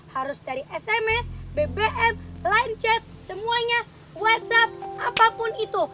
harus dari sms bbm line chat semuanya whatsapp apapun itu